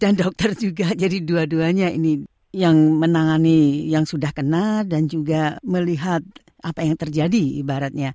dan dokter juga jadi dua duanya ini yang menangani yang sudah kena dan juga melihat apa yang terjadi ibaratnya